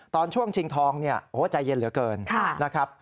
ตอนช่วงชิงทองใจเย็นเหลือเกินนะครับ